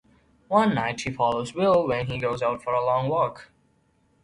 One night, she follows Bill when he goes out for a long walk.